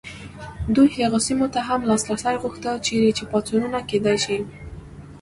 دوی هغو سیمو ته هم لاسرسی غوښت چیرې چې پاڅونونه کېدای شي.